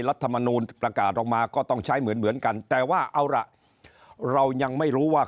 รัฐมนูลประกาศออกมาก็ต้องใช้เหมือนเหมือนกันแต่ว่าเอาล่ะเรายังไม่รู้ว่า